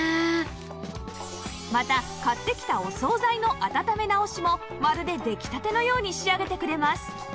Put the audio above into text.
また買ってきたお総菜の温め直しもまるで出来たてのように仕上げてくれます